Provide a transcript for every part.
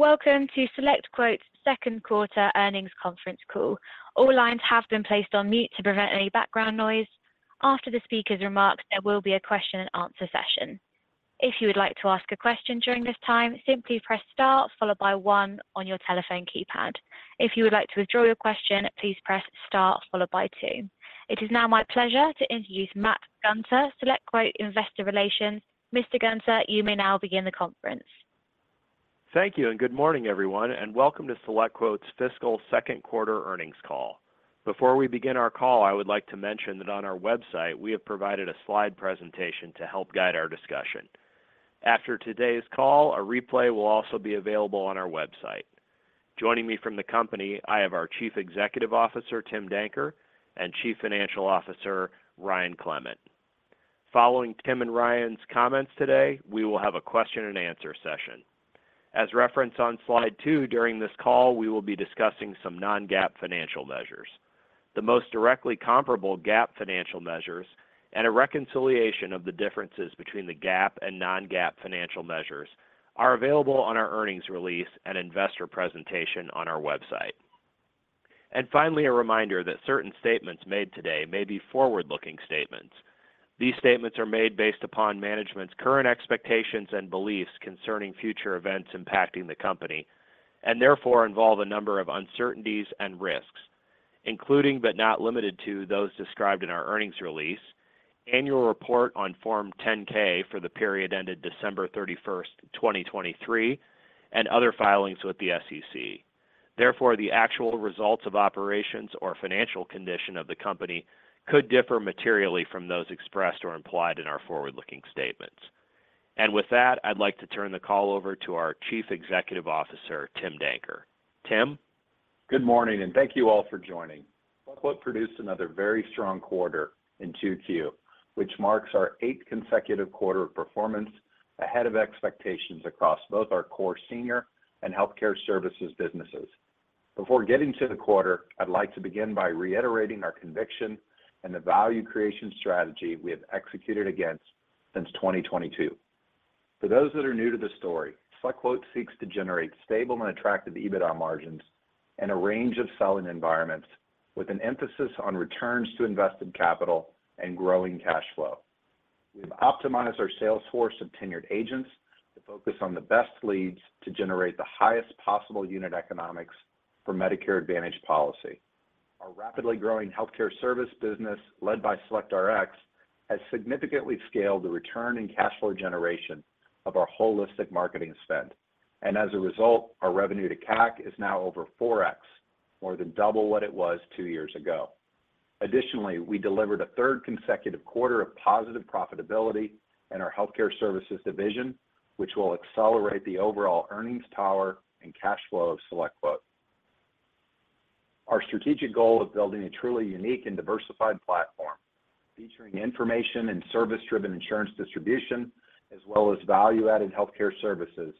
Welcome to SelectQuote's second quarter earnings conference call. All lines have been placed on mute to prevent any background noise. After the speaker's remarks, there will be a question and answer session. If you would like to ask a question during this time, simply press star followed by one on your telephone keypad. If you would like to withdraw your question, please press star followed by two. It is now my pleasure to introduce Matt Gunter, SelectQuote Investor Relations. Mr. Gunter, you may now begin the conference. Thank you, and good morning, everyone, and welcome to SelectQuote's fiscal second quarter earnings call. Before we begin our call, I would like to mention that on our website, we have provided a slide presentation to help guide our discussion. After today's call, a replay will also be available on our website. Joining me from the company, I have our Chief Executive Officer, Tim Danker, and Chief Financial Officer, Ryan Clement. Following Tim and Ryan's comments today, we will have a question and answer session. As referenced on slide two, during this call, we will be discussing some non-GAAP financial measures. The most directly comparable GAAP financial measures and a reconciliation of the differences between the GAAP and non-GAAP financial measures are available on our earnings release and investor presentation on our website. Finally, a reminder that certain statements made today may be forward-looking statements. These statements are made based upon management's current expectations and beliefs concerning future events impacting the company, and therefore involve a number of uncertainties and risks, including but not limited to, those described in our earnings release, annual report on Form 10-K for the period ended December 31, 2023, and other filings with the SEC. Therefore, the actual results of operations or financial condition of the company could differ materially from those expressed or implied in our forward-looking statements. And with that, I'd like to turn the call over to our Chief Executive Officer, Tim Danker. Tim? Good morning, and thank you all for joining. SelectQuote produced another very strong quarter in 2Q, which marks our eighth consecutive quarter of performance ahead of expectations across both our core senior and healthcare services businesses. Before getting to the quarter, I'd like to begin by reiterating our conviction and the value creation strategy we have executed against since 2022. For those that are new to the story, SelectQuote seeks to generate stable and attractive EBITDA margins in a range of selling environments, with an emphasis on returns to invested capital and growing cash flow. We've optimized our sales force of tenured agents to focus on the best leads to generate the highest possible unit economics for Medicare Advantage policy. Our rapidly growing healthcare service business, led by SelectRx, has significantly scaled the return in cash flow generation of our holistic marketing spend, and as a result, our revenue to CAC is now over 4x, more than double what it was two years ago. Additionally, we delivered a third consecutive quarter of positive profitability in our healthcare services division, which will accelerate the overall earnings power and cash flow of SelectQuote. Our strategic goal of building a truly unique and diversified platform featuring information and service-driven insurance distribution, as well as value-added healthcare services,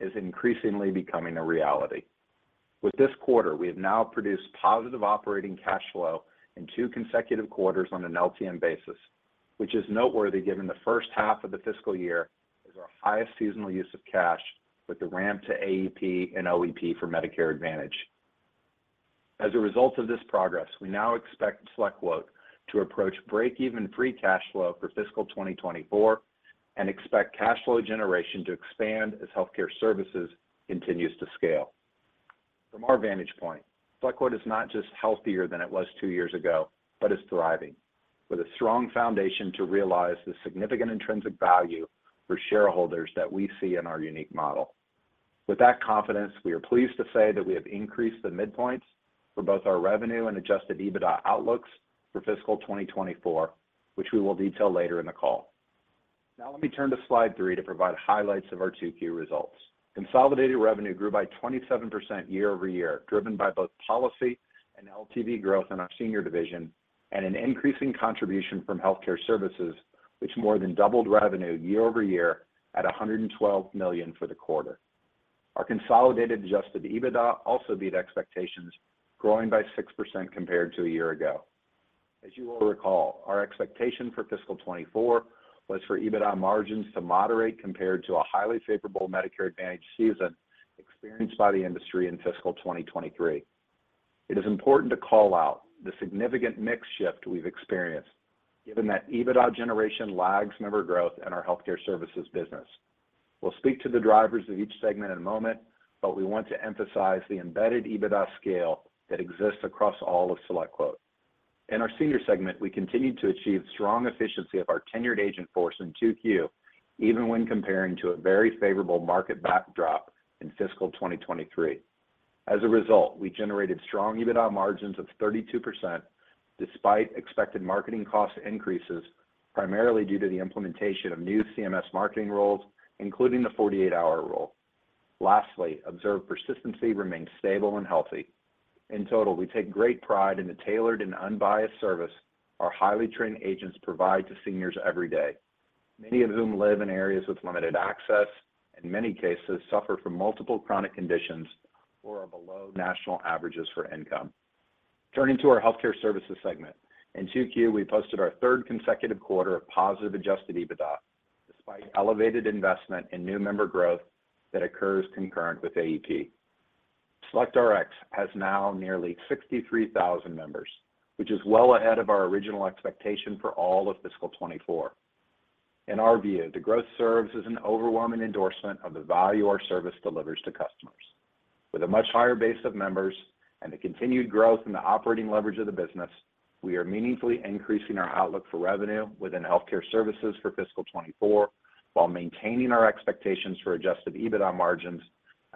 is increasingly becoming a reality. With this quarter, we have now produced positive operating cash flow in two consecutive quarters on an LTM basis, which is noteworthy given the first half of the fiscal year is our highest seasonal use of cash with the ramp to AEP and OEP for Medicare Advantage. As a result of this progress, we now expect SelectQuote to approach break-even free cash flow for fiscal 2024 and expect cash flow generation to expand as healthcare services continues to scale. From our vantage point, SelectQuote is not just healthier than it was two years ago, but is thriving, with a strong foundation to realize the significant intrinsic value for shareholders that we see in our unique model. With that confidence, we are pleased to say that we have increased the midpoints for both our revenue and adjusted EBITDA outlooks for fiscal 2024, which we will detail later in the call. Now, let me turn to slide three to provide highlights of our 2Q results. Consolidated revenue grew by 27% year-over-year, driven by both policy and LTV growth in our senior division and an increasing contribution from healthcare services, which more than doubled revenue year-over-year at $112 million for the quarter. Our consolidated adjusted EBITDA also beat expectations, growing by 6% compared to a year ago. As you will recall, our expectation for fiscal 2024 was for EBITDA margins to moderate compared to a highly favorable Medicare Advantage season experienced by the industry in fiscal 2023. It is important to call out the significant mix shift we've experienced, given that EBITDA generation lags member growth in our healthcare services business. We'll speak to the drivers of each segment in a moment, but we want to emphasize the embedded EBITDA scale that exists across all of SelectQuote. In our senior segment, we continued to achieve strong efficiency of our tenured agent force in 2Q, even when comparing to a very favorable market backdrop in fiscal 2023. As a result, we generated strong EBITDA margins of 32%, despite expected marketing cost increases, primarily due to the implementation of new CMS marketing rules, including the 48-hour rule. Lastly, observed persistency remains stable and healthy. In total, we take great pride in the tailored and unbiased service our highly trained agents provide to seniors every day, many of whom live in areas with limited access, in many cases, suffer from multiple chronic conditions or are below national averages for income... Turning to our healthcare services segment. In Q2, we posted our third consecutive quarter of positive adjusted EBITDA, despite elevated investment in new member growth that occurs concurrent with AEP. SelectRx has now nearly 63,000 members, which is well ahead of our original expectation for all of fiscal 2024. In our view, the growth serves as an overwhelming endorsement of the value our service delivers to customers. With a much higher base of members and the continued growth in the operating leverage of the business, we are meaningfully increasing our outlook for revenue within healthcare services for fiscal 2024, while maintaining our expectations for adjusted EBITDA margins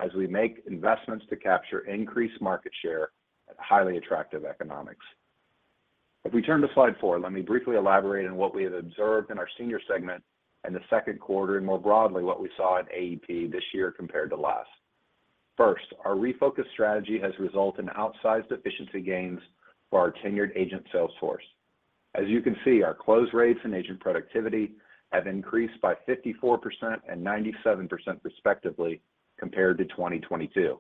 as we make investments to capture increased market share at highly attractive economics. If we turn to slide four, let me briefly elaborate on what we have observed in our senior segment in the second quarter, and more broadly, what we saw at AEP this year compared to last. First, our refocused strategy has resulted in outsized efficiency gains for our tenured agent sales force. As you can see, our close rates and agent productivity have increased by 54% and 97% respectively, compared to 2022.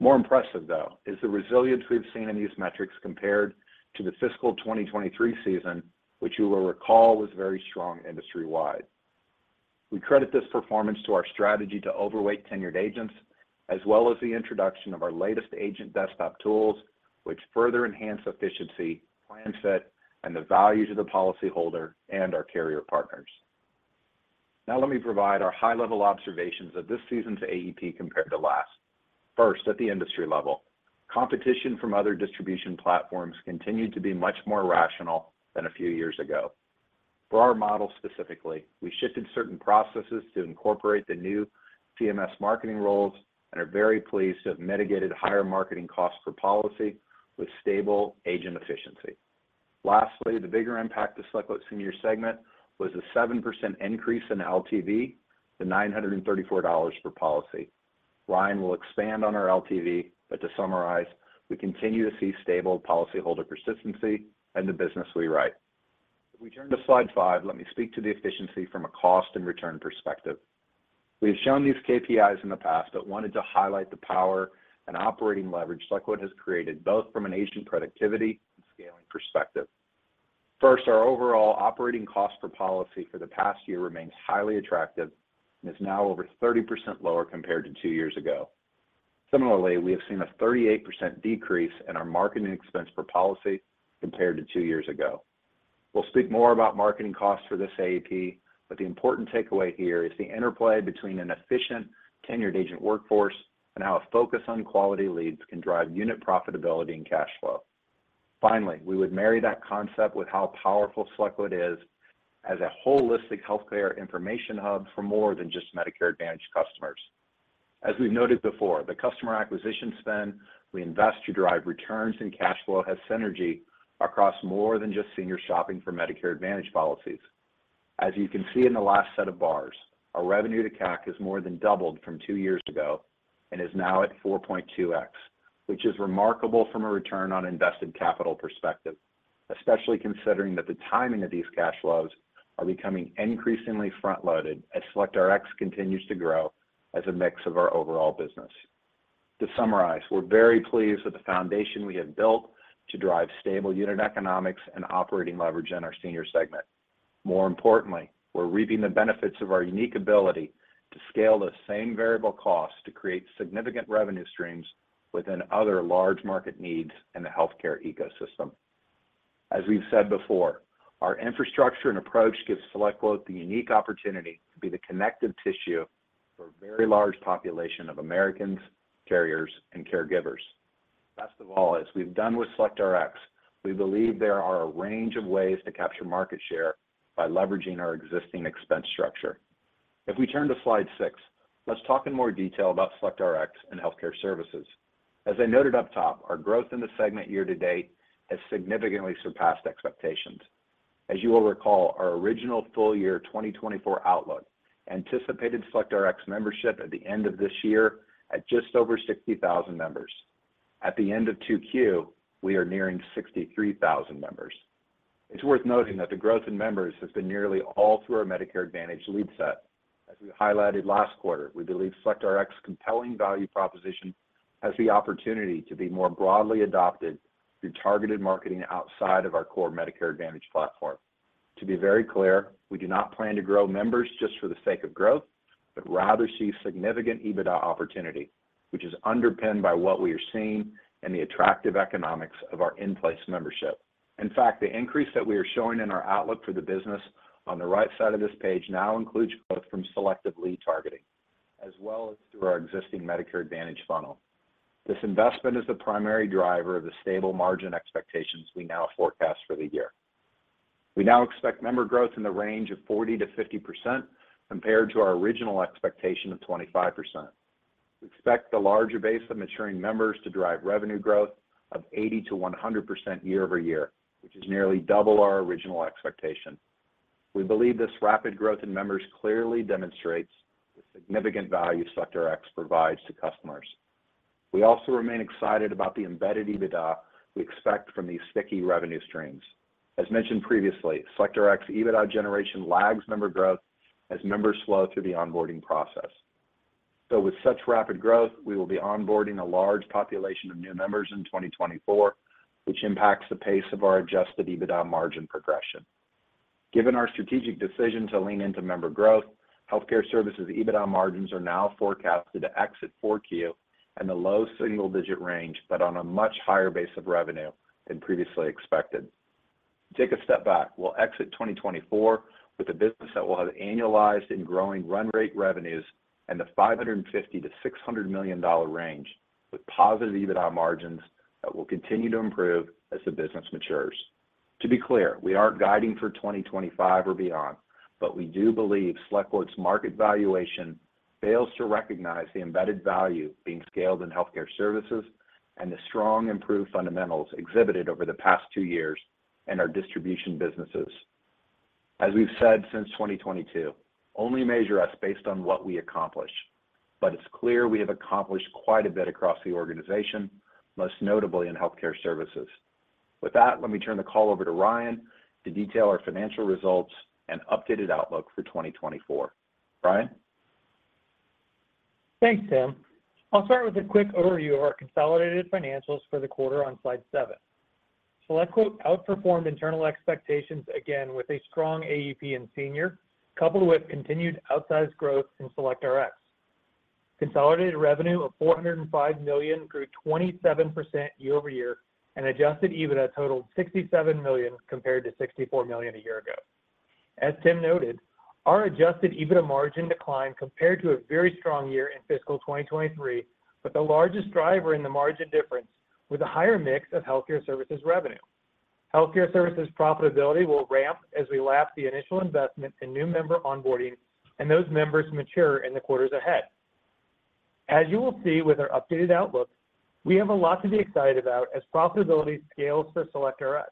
More impressive, though, is the resilience we've seen in these metrics compared to the fiscal 2023 season, which you will recall was very strong industry-wide. We credit this performance to our strategy to overweight tenured agents, as well as the introduction of our latest agent desktop tools, which further enhance efficiency, plan set, and the value to the policyholder and our carrier partners. Now, let me provide our high-level observations of this season to AEP compared to last. First, at the industry level, competition from other distribution platforms continued to be much more rational than a few years ago. For our model specifically, we shifted certain processes to incorporate the new CMS marketing rules and are very pleased to have mitigated higher marketing costs per policy with stable agent efficiency. Lastly, the bigger impact to SelectQuote Senior segment was a 7% increase in LTV to $934 per policy. Ryan will expand on our LTV, but to summarize, we continue to see stable policyholder persistency in the business we write. If we turn to slide five, let me speak to the efficiency from a cost and return perspective. We've shown these KPIs in the past, but wanted to highlight the power and operating leverage SelectQuote has created, both from an agent productivity and scaling perspective. First, our overall operating cost per policy for the past year remains highly attractive and is now over 30% lower compared to two years ago. Similarly, we have seen a 38% decrease in our marketing expense per policy compared to two years ago. We'll speak more about marketing costs for this AEP, but the important takeaway here is the interplay between an efficient tenured agent workforce and how a focus on quality leads can drive unit profitability and cash flow. Finally, we would marry that concept with how powerful SelectQuote is as a holistic healthcare information hub for more than just Medicare Advantage customers. As we've noted before, the customer acquisition spend we invest to drive returns and cash flow has synergy across more than just senior shopping for Medicare Advantage policies. As you can see in the last set of bars, our revenue to CAC has more than doubled from two years ago and is now at 4.2x, which is remarkable from a return on invested capital perspective, especially considering that the timing of these cash flows are becoming increasingly front-loaded as SelectRx continues to grow as a mix of our overall business. To summarize, we're very pleased with the foundation we have built to drive stable unit economics and operating leverage in our senior segment. More importantly, we're reaping the benefits of our unique ability to scale the same variable costs to create significant revenue streams within other large market needs in the healthcare ecosystem. As we've said before, our infrastructure and approach gives SelectQuote the unique opportunity to be the connective tissue for a very large population of Americans, carriers, and caregivers. Best of all, as we've done with SelectRx, we believe there are a range of ways to capture market share by leveraging our existing expense structure. If we turn to slide six, let's talk in more detail about SelectRx and healthcare services. As I noted up top, our growth in the segment year to date has significantly surpassed expectations. As you will recall, our original full year 2024 outlook anticipated SelectRx membership at the end of this year at just over 60,000 members. At the end of Q2, we are nearing 63,000 members. It's worth noting that the growth in members has been nearly all through our Medicare Advantage lead set. As we highlighted last quarter, we believe SelectRx's compelling value proposition has the opportunity to be more broadly adopted through targeted marketing outside of our core Medicare Advantage platform. To be very clear, we do not plan to grow members just for the sake of growth, but rather see significant EBITDA opportunity, which is underpinned by what we are seeing and the attractive economics of our in-place membership. In fact, the increase that we are showing in our outlook for the business on the right side of this page now includes growth from selective lead targeting, as well as through our existing Medicare Advantage funnel. This investment is the primary driver of the stable margin expectations we now forecast for the year. We now expect member growth in the range of 40%-50%, compared to our original expectation of 25%. We expect the larger base of maturing members to drive revenue growth of 80%-100% year-over-year, which is nearly double our original expectation. We believe this rapid growth in members clearly demonstrates the significant value SelectRx provides to customers. We also remain excited about the embedded EBITDA we expect from these sticky revenue streams. As mentioned previously, SelectRx EBITDA generation lags member growth as members flow through the onboarding process... So with such rapid growth, we will be onboarding a large population of new members in 2024, which impacts the pace of our adjusted EBITDA margin progression. Given our strategic decision to lean into member growth, healthcare services EBITDA margins are now forecasted to exit Q4 in the low single-digit range, but on a much higher base of revenue than previously expected. Take a step back. We'll exit 2024 with a business that will have annualized and growing run rate revenues in the $550-$600 million range, with positive EBITDA margins that will continue to improve as the business matures. To be clear, we aren't guiding for 2025 or beyond, but we do believe SelectQuote's market valuation fails to recognize the embedded value being scaled in healthcare services, and the strong improved fundamentals exhibited over the past two years in our distribution businesses. As we've said since 2022, only measure us based on what we accomplish. But it's clear we have accomplished quite a bit across the organization, most notably in healthcare services. With that, let me turn the call over to Ryan to detail our financial results and updated outlook for 2024. Ryan? Thanks, Tim. I'll start with a quick overview of our consolidated financials for the quarter on slide seven. SelectQuote outperformed internal expectations again, with a strong AEP in Senior, coupled with continued outsized growth in SelectRx. Consolidated revenue of $405 million grew 27% year over year, and adjusted EBITDA totaled $67 million, compared to $64 million a year ago. As Tim noted, our adjusted EBITDA margin declined compared to a very strong year in fiscal 2023, but the largest driver in the margin difference, with a higher mix of healthcare services revenue. Healthcare services profitability will ramp as we lap the initial investment in new member onboarding, and those members mature in the quarters ahead. As you will see with our updated outlook, we have a lot to be excited about as profitability scales for SelectRx.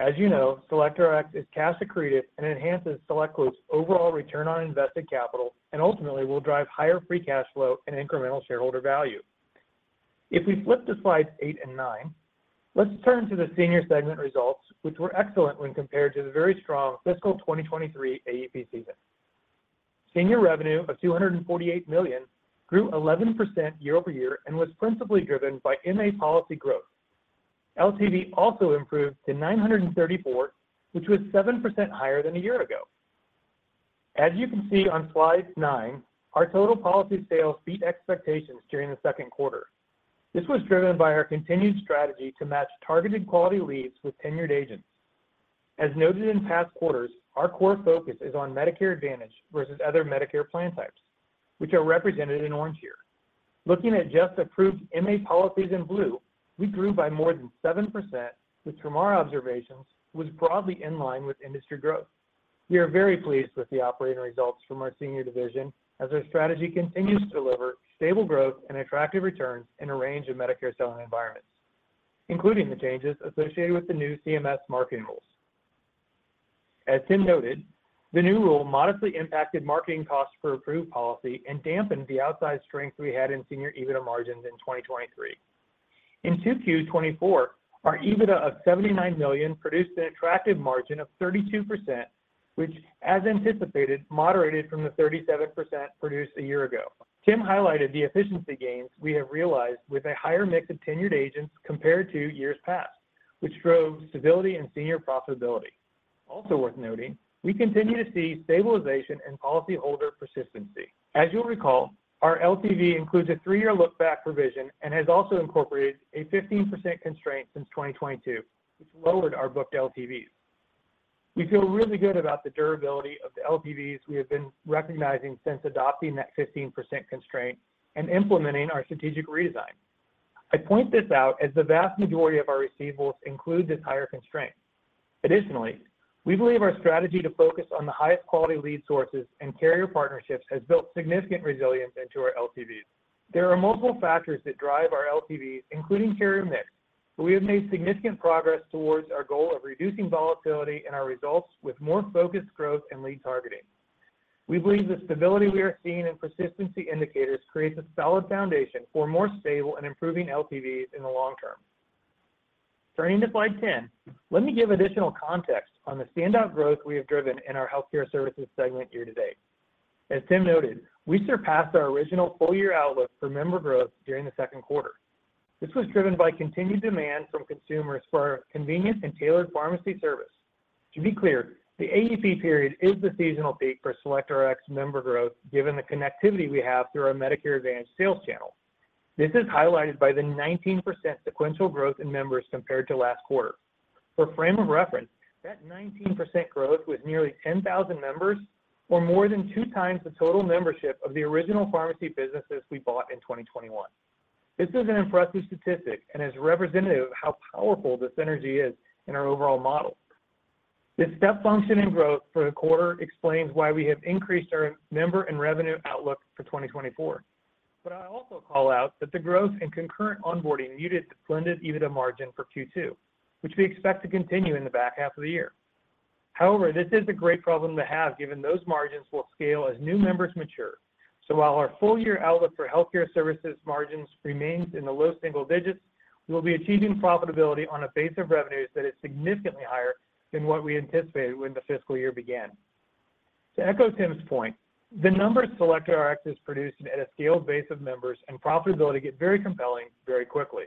As you know, SelectRx is cash accretive and enhances SelectQuote's overall return on invested capital, and ultimately will drive higher free cash flow and incremental shareholder value. If we flip to slides eight and nine, let's turn to the Senior segment results, which were excellent when compared to the very strong fiscal 2023 AEP season. Senior revenue of $248 million grew 11% year over year, and was principally driven by MA policy growth. LTV also improved to 934, which was 7% higher than a year ago. As you can see on slide nine, our total policy sales beat expectations during the second quarter. This was driven by our continued strategy to match targeted quality leads with tenured agents. As noted in past quarters, our core focus is on Medicare Advantage versus other Medicare plan types, which are represented in orange here. Looking at just approved MA policies in blue, we grew by more than 7%, which from our observations, was broadly in line with industry growth. We are very pleased with the operating results from our Senior division, as our strategy continues to deliver stable growth and attractive returns in a range of Medicare selling environments, including the changes associated with the new CMS marketing rules. As Tim noted, the new rule modestly impacted marketing costs for approved policy and dampened the outsized strength we had in Senior EBITDA margins in 2023. In 2Q 2024, our EBITDA of $79 million produced an attractive margin of 32%, which, as anticipated, moderated from the 37% produced a year ago. Tim highlighted the efficiency gains we have realized with a higher mix of tenured agents compared to years past, which drove stability and senior profitability. Also worth noting, we continue to see stabilization in policyholder persistency. As you'll recall, our LTV includes a three-year look-back provision and has also incorporated a 15% constraint since 2022, which lowered our booked LTVs. We feel really good about the durability of the LTVs we have been recognizing since adopting that 15% constraint and implementing our strategic redesign. I point this out as the vast majority of our receivables include this higher constraint. Additionally, we believe our strategy to focus on the highest quality lead sources and carrier partnerships has built significant resilience into our LTVs. There are multiple factors that drive our LTVs, including carrier mix, but we have made significant progress towards our goal of reducing volatility in our results with more focused growth and lead targeting. We believe the stability we are seeing in persistency indicators creates a solid foundation for more stable and improving LTVs in the long term. Turning to slide 10, let me give additional context on the standout growth we have driven in our healthcare services segment year to date. As Tim noted, we surpassed our original full-year outlook for member growth during the second quarter. This was driven by continued demand from consumers for our convenient and tailored pharmacy service. To be clear, the AEP period is the seasonal peak for SelectRx member growth, given the connectivity we have through our Medicare Advantage sales channel. This is highlighted by the 19% sequential growth in members compared to last quarter. For frame of reference, that 19% growth with nearly 10,000 members, or more than 2x the total membership of the original pharmacy businesses we bought in 2021. This is an impressive statistic and is representative of how powerful the synergy is in our overall model. This step function in growth for the quarter explains why we have increased our member and revenue outlook for 2024. But I also call out that the growth in concurrent onboarding muted the blended EBITDA margin for Q2, which we expect to continue in the back half of the year. However, this is a great problem to have, given those margins will scale as new members mature. So while our full-year outlook for healthcare services margins remains in the low single digits... We'll be achieving profitability on a base of revenues that is significantly higher than what we anticipated when the fiscal year began. To echo Tim's point, the number SelectRx is producing at a scaled base of members and profitability get very compelling, very quickly.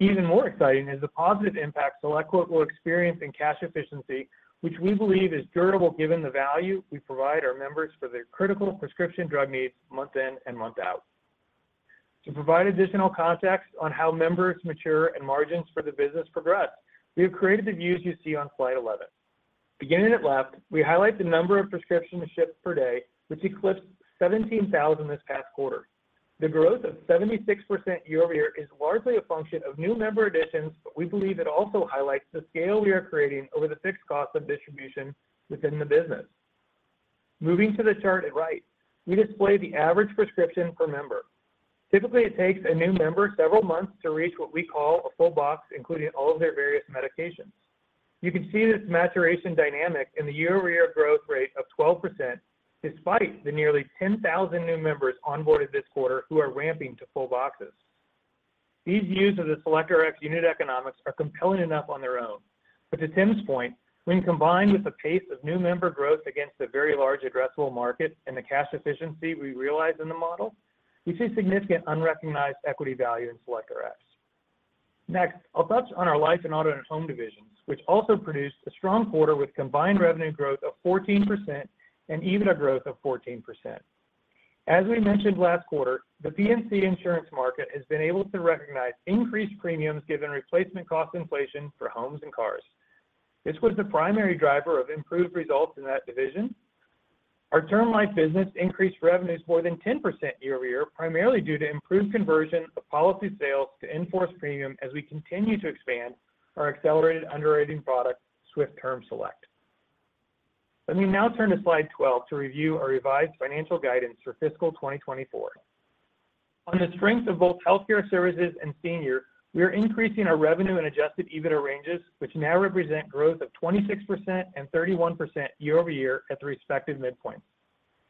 Even more exciting is the positive impact SelectQuote will experience in cash efficiency, which we believe is durable, given the value we provide our members for their critical prescription drug needs month in and month out. To provide additional context on how members mature and margins for the business progress, we have created the views you see on slide 11. Beginning at left, we highlight the number of prescriptions shipped per day, which eclipsed 17,000 this past quarter. The growth of 76% year-over-year is largely a function of new member additions, but we believe it also highlights the scale we are creating over the fixed cost of distribution within the business. Moving to the chart at right, we display the average prescription per member. Typically, it takes a new member several months to reach what we call a full box, including all of their various medications. You can see this maturation dynamic in the year-over-year growth rate of 12%, despite the nearly 10,000 new members onboarded this quarter who are ramping to full boxes. These views of the SelectRx unit economics are compelling enough on their own. But to Tim's point, when combined with the pace of new member growth against the very large addressable market and the cash efficiency we realize in the model, we see significant unrecognized equity value in SelectRx. Next, I'll touch on our life and auto and home divisions, which also produced a strong quarter with combined revenue growth of 14% and even a growth of 14%. As we mentioned last quarter, the PNC insurance market has been able to recognize increased premiums given replacement cost inflation for homes and cars. This was the primary driver of improved results in that division. Our term life business increased revenues more than 10% year-over-year, primarily due to improved conversion of policy sales to in-force premium as we continue to expand our accelerated underwriting product, Swift Term Select. Let me now turn to slide 12 to review our revised financial guidance for fiscal 2024. On the strength of both healthcare services and senior, we are increasing our revenue and adjusted EBITDA ranges, which now represent growth of 26% and 31% year-over-year at the respective midpoints.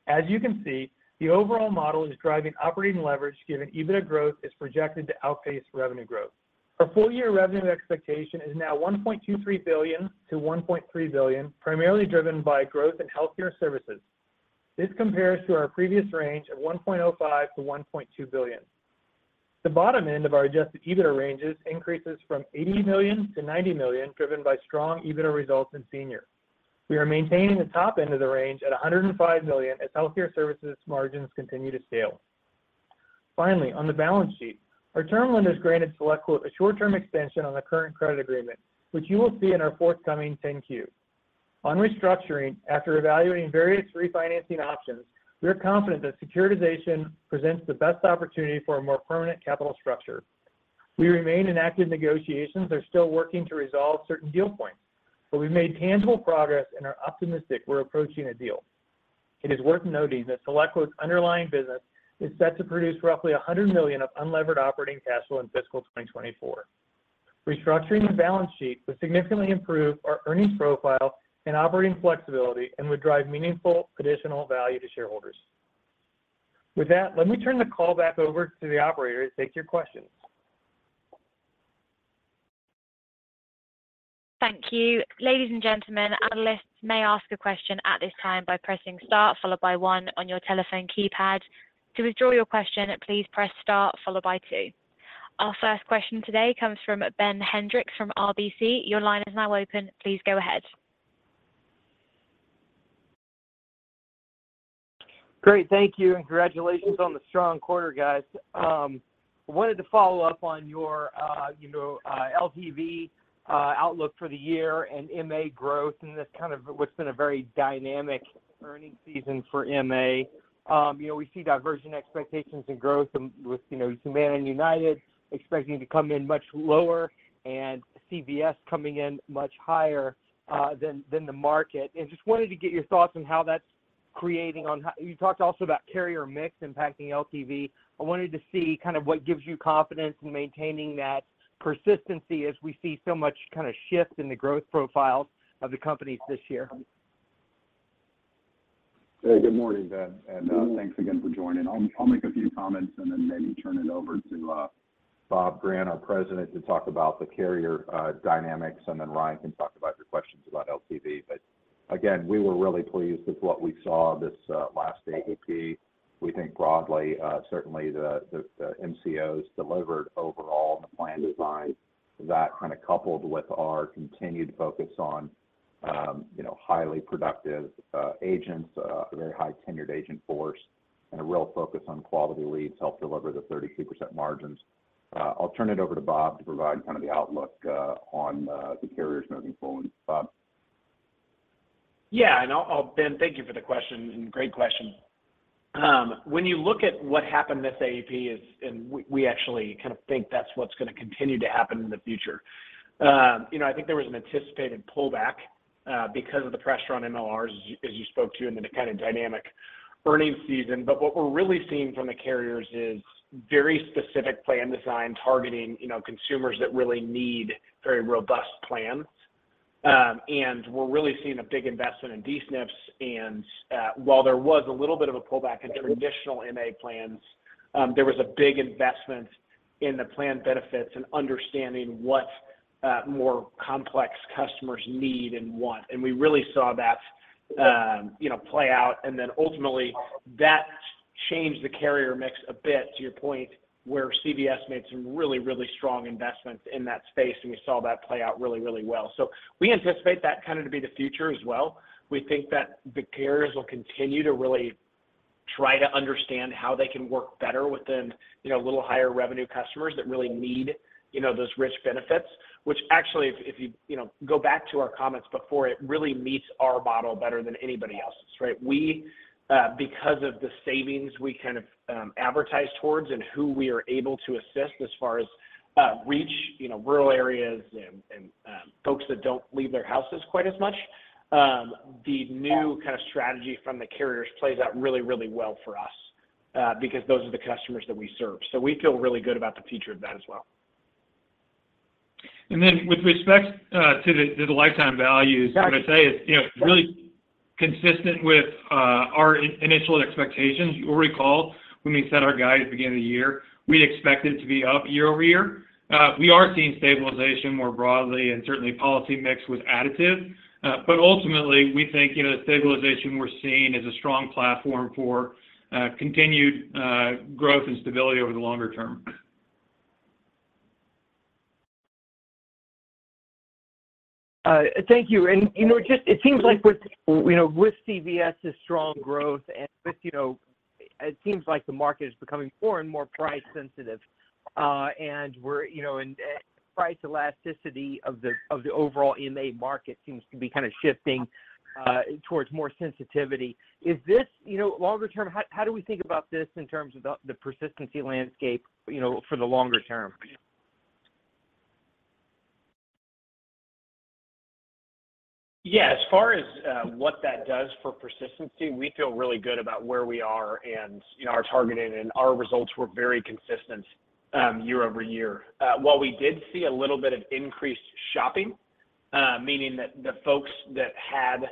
As you can see, the overall model is driving operating leverage, given EBITDA growth is projected to outpace revenue growth. Our full year revenue expectation is now $1.23 billion-$1.3 billion, primarily driven by growth in healthcare services. This compares to our previous range of $1.05-$1.2 billion. The bottom end of our adjusted EBITDA ranges increases from $80 million-$90 million, driven by strong EBITDA results in senior. We are maintaining the top end of the range at $105 million as healthcare services margins continue to scale. Finally, on the balance sheet, our term lender has granted SelectQuote a short-term extension on the current credit agreement, which you will see in our forthcoming 10-Q. On restructuring, after evaluating various refinancing options, we are confident that securitization presents the best opportunity for a more permanent capital structure. We remain in active negotiations and are still working to resolve certain deal points, but we've made tangible progress and are optimistic we're approaching a deal. It is worth noting that SelectQuote's underlying business is set to produce roughly $100 million of unlevered operating cash flow in fiscal 2024. Restructuring the balance sheet would significantly improve our earnings profile and operating flexibility and would drive meaningful additional value to shareholders. With that, let me turn the call back over to the operator to take your questions. Thank you. Ladies and gentlemen, analysts may ask a question at this time by pressing star, followed by one on your telephone keypad. To withdraw your question, please press star followed by two. Our first question today comes from Ben Hendricks from RBC. Your line is now open. Please go ahead. Great, thank you, and congratulations on the strong quarter, guys. Wanted to follow up on your, you know, LTV outlook for the year and MA growth, and this kind of what's been a very dynamic earnings season for MA. You know, we see divergent expectations and growth with, you know, Humana and United expecting to come in much lower and CVS coming in much higher than the market. And just wanted to get your thoughts on how that's creating on how... You talked also about carrier mix impacting LTV. I wanted to see kind of what gives you confidence in maintaining that persistency as we see so much kind of shift in the growth profiles of the companies this year. Hey, good morning, Ben, and thanks again for joining. I'll, I'll make a few comments and then maybe turn it over to Bob Grant, our president, to talk about the carrier dynamics, and then Ryan can talk about your questions about LTV. But again, we were really pleased with what we saw this last AEP. We think broadly certainly the MCOs delivered overall in the plan design. That kind of coupled with our continued focus on you know, highly productive agents, a very high tenured agent force, and a real focus on quality leads helped deliver the 32% margins. I'll turn it over to Bob to provide kind of the outlook on the carriers moving forward. Bob? Yeah, and I'll, Ben, thank you for the question, and great question. When you look at what happened this AEP is, and we actually kind of think that's what's gonna continue to happen in the future. You know, I think there was an anticipated pullback because of the pressure on MLRs, as you spoke to, and then the kind of dynamic earnings season. But what we're really seeing from the carriers is very specific plan design, targeting, you know, consumers that really need very robust plans.... and we're really seeing a big investment in DSNPs. And, while there was a little bit of a pullback in traditional MA plans, there was a big investment in the plan benefits and understanding what more complex customers need and want. And we really saw that, you know, play out, and then ultimately that changed the carrier mix a bit, to your point, where CVS made some really, really strong investments in that space, and we saw that play out really, really well. So we anticipate that kind of to be the future as well. We think that the carriers will continue to really try to understand how they can work better within, you know, a little higher revenue customers that really need, you know, those rich benefits. Which, actually, if you know, go back to our comments before, it really meets our model better than anybody else's, right? We, because of the savings we kind of advertise towards and who we are able to assist as far as reach, you know, rural areas and folks that don't leave their houses quite as much, the new kind of strategy from the carriers plays out really, really well for us, because those are the customers that we serve. So we feel really good about the future of that as well. And then with respect to the lifetime values- Got it. What I'd say is, you know, really consistent with our initial expectations. You'll recall when we set our guide at the beginning of the year, we expected it to be up year-over-year. We are seeing stabilization more broadly, and certainly policy mix was additive. But ultimately, we think, you know, the stabilization we're seeing is a strong platform for continued growth and stability over the longer term. Thank you. You know, just it seems like with, you know, with CVS's strong growth and with, you know, it seems like the market is becoming more and more price sensitive. You know, price elasticity of the overall MA market seems to be kind of shifting towards more sensitivity. Is this, you know, longer term? How do we think about this in terms of the persistency landscape, you know, for the longer term? Yeah. As far as what that does for persistency, we feel really good about where we are and, you know, our targeting and our results were very consistent year over year. While we did see a little bit of increased shopping, meaning that the folks that had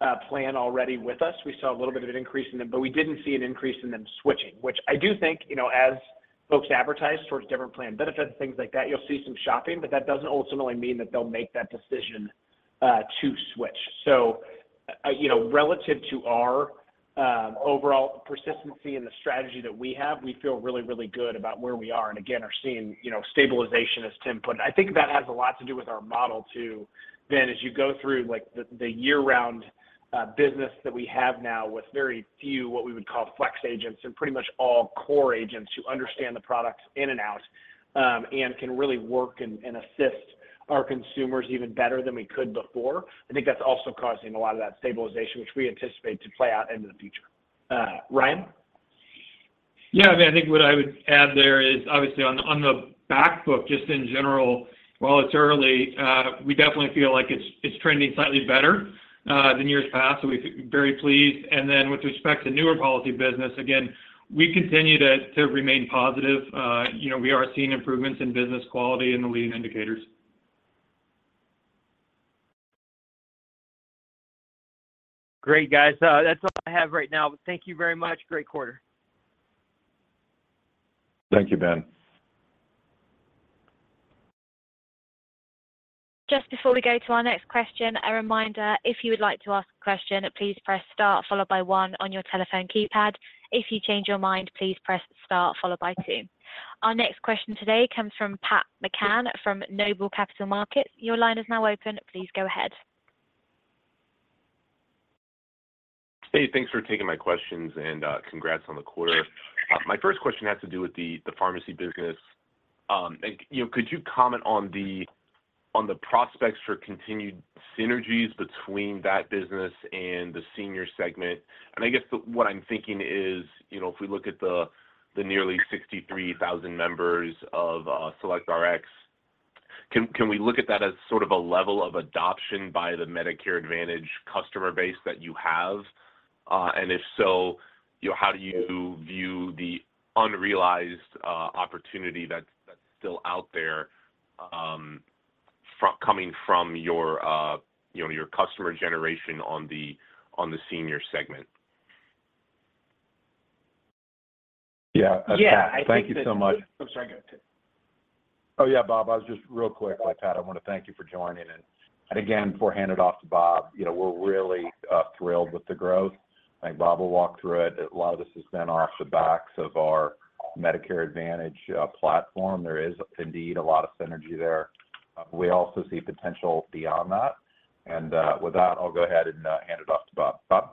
a plan already with us, we saw a little bit of an increase in them, but we didn't see an increase in them switching, which I do think, you know, as folks advertise towards different plan benefits and things like that, you'll see some shopping, but that doesn't ultimately mean that they'll make that decision to switch. So, you know, relative to our overall persistency and the strategy that we have, we feel really, really good about where we are, and again, are seeing, you know, stabilization as Tim put... I think that has a lot to do with our model, too. Then as you go through, like, the year-round business that we have now with very few, what we would call flex agents and pretty much all core agents who understand the products in and out, and can really work and assist our consumers even better than we could before. I think that's also causing a lot of that stabilization, which we anticipate to play out into the future. Ryan? Yeah, I mean, I think what I would add there is obviously on the, on the back book, just in general, while it's early, we definitely feel like it's, it's trending slightly better than years past, so we feel very pleased. And then with respect to newer policy business, again, we continue to, to remain positive. You know, we are seeing improvements in business quality and the leading indicators. Great, guys. That's all I have right now. Thank you very much. Great quarter. Thank you, Ben. Just before we go to our next question, a reminder, if you would like to ask a question, please press star followed by one on your telephone keypad. If you change your mind, please press star followed by two. Our next question today comes from Pat McCann, from NOBLE Capital Markets. Your line is now open. Please go ahead. Hey, thanks for taking my questions, and, congrats on the quarter. My first question has to do with the, the pharmacy business. And, you know, could you comment on the, on the prospects for continued synergies between that business and the senior segment? And I guess the... what I'm thinking is, you know, if we look at the, the nearly 63,000 members of, SelectRx, can, can we look at that as sort of a level of adoption by the Medicare Advantage customer base that you have? And if so, you know, how do you view the unrealized, opportunity that's, that's still out there, coming from your, you know, your customer generation on the, on the senior segment? Yeah. Yeah. Thank you so much. I'm sorry, go ahead, Tim. Oh, yeah, Bob, I was just... Real quick, Pat, I wanna thank you for joining in. And again, before I hand it off to Bob, you know, we're really thrilled with the growth. I think Bob will walk through it. A lot of this has been off the backs of our Medicare Advantage platform. There is indeed a lot of synergy there. We also see potential beyond that. And with that, I'll go ahead and hand it off to Bob. Bob?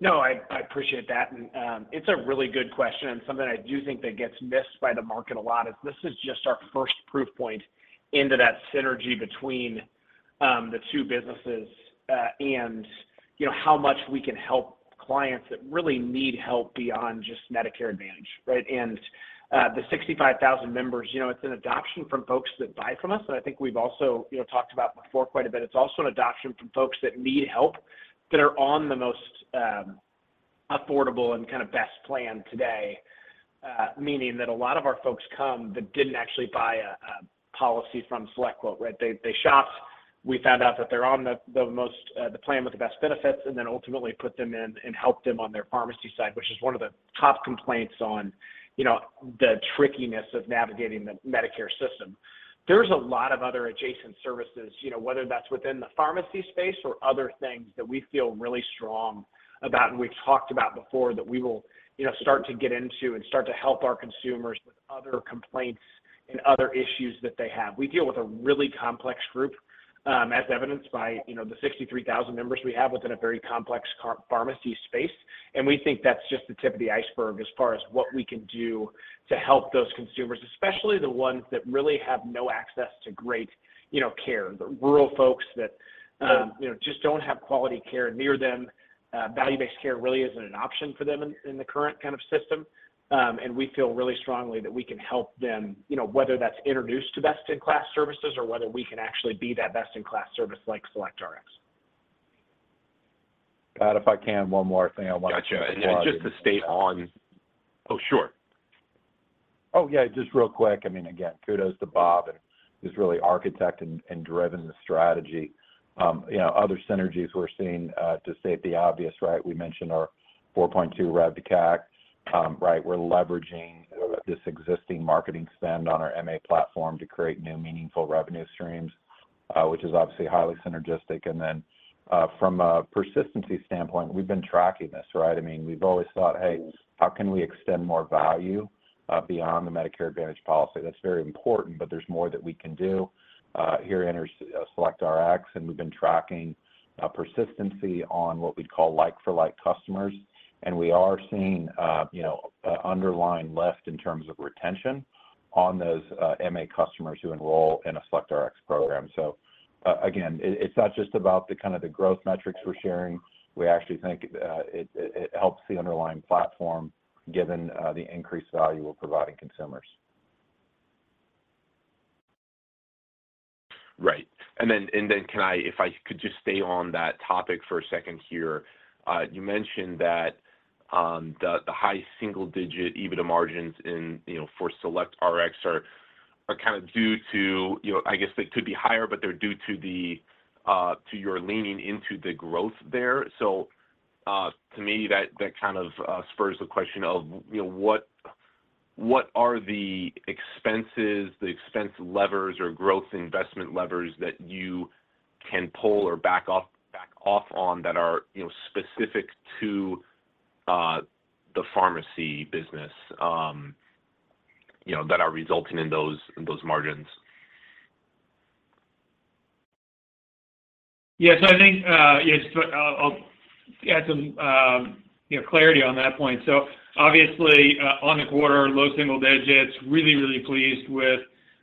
No, I appreciate that, and it's a really good question and something I do think that gets missed by the market a lot. This is just our first proof point into that synergy between the two businesses, and you know, how much we can help clients that really need help beyond just Medicare Advantage, right? And the 65,000 members, you know, it's an adoption from folks that buy from us, and I think we've also, you know, talked about before quite a bit. It's also an adoption from folks that need help, that are on the most affordable and kind of best plan today, meaning that a lot of our folks come, but didn't actually buy a policy from SelectQuote, right? They shopped. We found out that they're on the most, the plan with the best benefits, and then ultimately put them in and helped them on their pharmacy side, which is one of the top complaints on, you know, the trickiness of navigating the Medicare system. There's a lot of other adjacent services, you know, whether that's within the pharmacy space or other things that we feel really strong about, and we've talked about before, that we will, you know, start to get into and start to help our consumers with other complaints and other issues that they have. We deal with a really complex group, as evidenced by, you know, the 63,000 members we have within a very complex care-pharmacy space, and we think that's just the tip of the iceberg as far as what we can do to help those consumers, especially the ones that really have no access to great, you know, care. The rural folks that, you know, just don't have quality care near them. Value-based care really isn't an option for them in the current kind of system. And we feel really strongly that we can help them, you know, whether that's introduced to best-in-class services or whether we can actually be that best-in-class service like SelectRx. Pat, if I can, one more thing I want to- Gotcha. Yeah, just to stay on... Oh, sure. Oh, yeah, just real quick. I mean, again, kudos to Bob, and who's really architected and driven the strategy. You know, other synergies we're seeing, to state the obvious, right? We mentioned our 4.2 rev to CAC. Right, we're leveraging this existing marketing spend on our MA platform to create new meaningful revenue streams, which is obviously highly synergistic. And then, from a persistency standpoint, we've been tracking this, right? I mean, we've always thought, "Hey, how can we extend more value beyond the Medicare Advantage policy?" That's very important, but there's more that we can do here in our SelectRx, and we've been tracking persistency on what we'd call like-for-like customers. And we are seeing, you know, underlying lift in terms of retention on those MA customers who enroll in a SelectRx program. So again, it's not just about the kind of the growth metrics we're sharing. We actually think it helps the underlying platform, given the increased value we're providing consumers. Right. Then, if I could just stay on that topic for a second here. You mentioned that the high single-digit EBITDA margins in, you know, for SelectRx are kind of due to, you know. I guess they could be higher, but they're due to your leaning into the growth there. So, to me, that kind of spurs the question of, you know, what are the expenses, the expense levers or growth investment levers that you can pull or back off on that are, you know, specific to the pharmacy business, you know, that are resulting in those margins? Yeah, so I think, yes, but I'll add some, you know, clarity on that point. So obviously, on the quarter, low single digits, really, really pleased with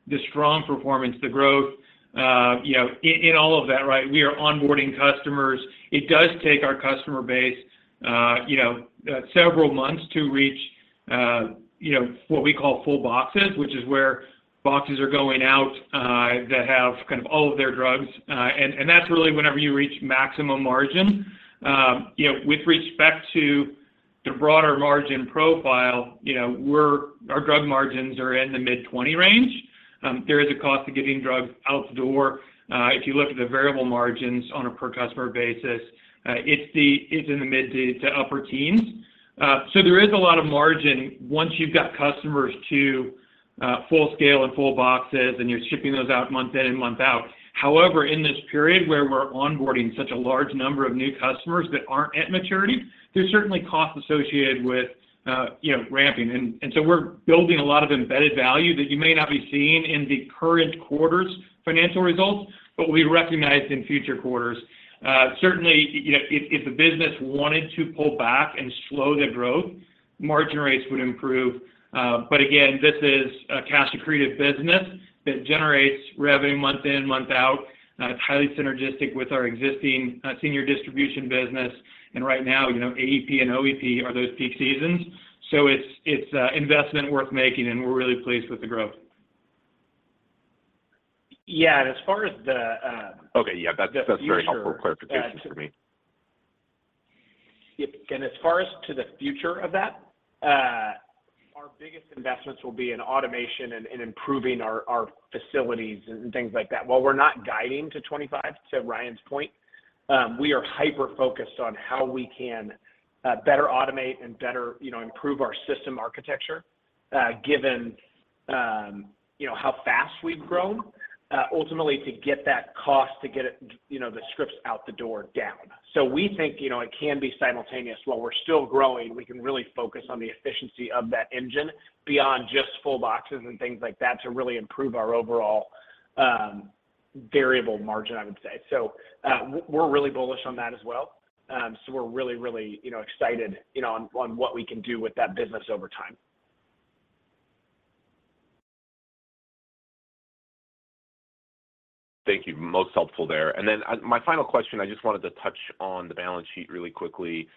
the strong performance, the growth in all of that, right? We are onboarding customers. It does take our customer base several months to reach what we call full boxes, which is where boxes are going out that have kind of all of their drugs, and that's really whenever you reach maximum margin. With respect to the broader margin profile, you know, we're, our drug margins are in the mid-20 range. There is a cost to getting drugs out the door. If you look at the variable margins on a per customer basis, it's in the mid to upper teens. So there is a lot of margin once you've got customers to full scale and full boxes, and you're shipping those out month in and month out. However, in this period where we're onboarding such a large number of new customers that aren't at maturity, there's certainly costs associated with, you know, ramping. And so we're building a lot of embedded value that you may not be seeing in the current quarter's financial results, but we recognize in future quarters. Certainly, you know, if the business wanted to pull back and slow the growth, margin rates would improve. But again, this is a cash creative business that generates revenue month in, month out. It's highly synergistic with our existing senior distribution business, and right now, you know, AEP and OEP are those peak seasons. So it's investment worth making, and we're really pleased with the growth. Yeah, and as far as the, Okay, yeah, that's, that's very helpful clarification for me. Yep. And as far as to the future of that, our biggest investments will be in automation and, and improving our, our facilities and things like that. While we're not guiding to 25, to Ryan's point, we are hyper-focused on how we can, better automate and better, you know, improve our system architecture, given, you know, how fast we've grown, ultimately to get that cost, to get it, you know, the scripts out the door down. So we think, you know, it can be simultaneous. While we're still growing, we can really focus on the efficiency of that engine beyond just full boxes and things like that, to really improve our overall, variable margin, I would say. So, we're really bullish on that as well. We're really, really, you know, excited, you know, on what we can do with that business over time. Thank you. Most helpful there. And then, my final question, I just wanted to touch on the balance sheet really quickly.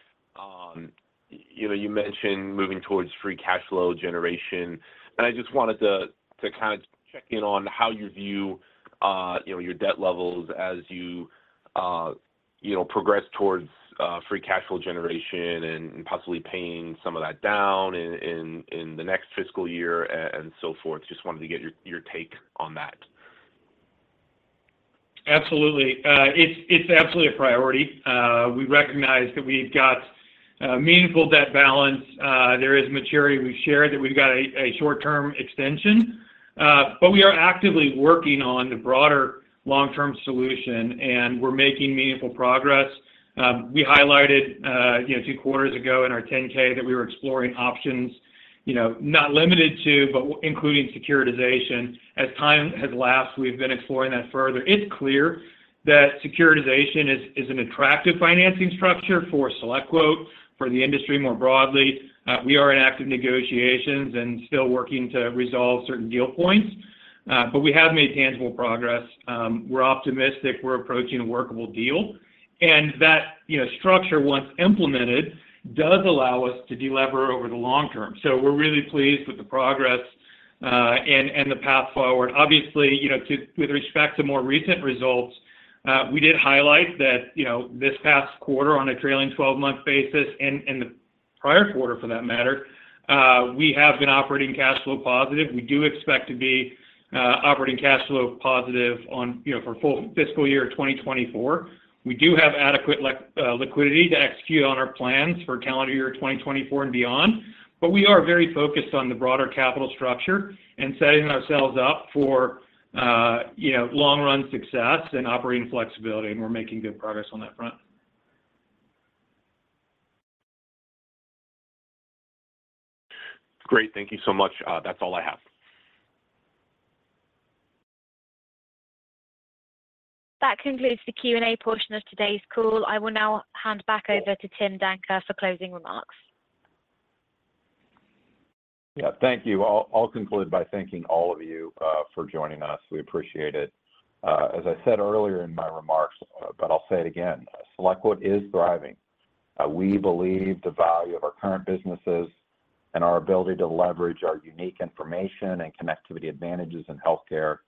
You know, you mentioned moving towards free cash flow generation, and I just wanted to kind of check in on how you view, you know, your debt levels as you, you know, progress towards, free cash flow generation and possibly paying some of that down in the next fiscal year and so forth? Just wanted to get your take on that. Absolutely. It's absolutely a priority. We recognize that we've got a meaningful debt balance. There is maturity. We've shared that we've got a short-term extension, but we are actively working on the broader long-term solution, and we're making meaningful progress. We highlighted, you know, two quarters ago in our 10-K that we were exploring options, you know, not limited to, but including securitization. As time has lapsed, we've been exploring that further. It's clear that securitization is an attractive financing structure for SelectQuote, for the industry more broadly. We are in active negotiations and still working to resolve certain deal points, but we have made tangible progress. We're optimistic we're approaching a workable deal, and that, you know, structure, once implemented, does allow us to delever over the long term. So we're really pleased with the progress, and the path forward. Obviously, you know, with respect to more recent results, we did highlight that, you know, this past quarter, on a trailing 12-month basis, and the prior quarter, for that matter, we have been operating cash flow positive. We do expect to be operating cash flow positive on, you know, for full fiscal year 2024. We do have adequate liquidity to execute on our plans for calendar year 2024 and beyond, but we are very focused on the broader capital structure and setting ourselves up for, you know, long-run success and operating flexibility, and we're making good progress on that front. Great. Thank you so much. That's all I have. That concludes the Q&A portion of today's call. I will now hand back over to Tim Danker for closing remarks. Yeah, thank you. I'll conclude by thanking all of you for joining us. We appreciate it. As I said earlier in my remarks, but I'll say it again, SelectQuote is thriving. We believe the value of our current businesses and our ability to leverage our unique information and connectivity advantages in healthcare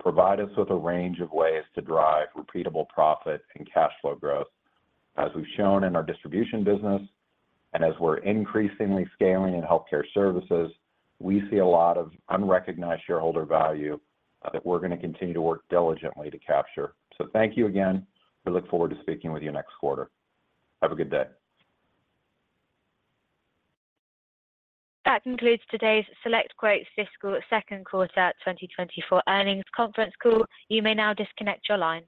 provide us with a range of ways to drive repeatable profit and cash flow growth. As we've shown in our distribution business and as we're increasingly scaling in healthcare services, we see a lot of unrecognized shareholder value that we're gonna continue to work diligently to capture. So thank you again. We look forward to speaking with you next quarter. Have a good day. That concludes today's SelectQuote Fiscal Second Quarter 2024 Earnings Conference Call. You may now disconnect your line.